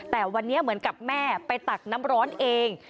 แต่วันนี้เหมือนกับแม่ไปตักน้ำร้อนเอง